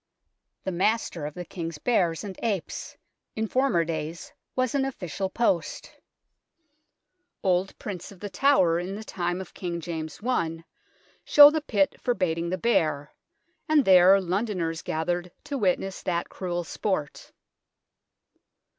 " The Master of the King's Bears and Apes " in former days was an official post. Old prints of The Tower in the time of King James I show the pit for baiting the bear, and there Londoners gathered to witness that cruel sport.